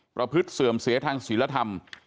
ประพฤติเสื่อมเสียทางศิลธรรม